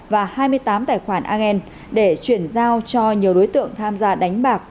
và hai mươi tám tài khoản and để chuyển giao cho nhiều đối tượng tham gia đánh bạc